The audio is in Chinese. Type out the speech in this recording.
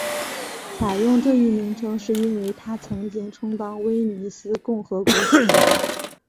采用这一名称是因为它曾经充当威尼斯共和国使馆。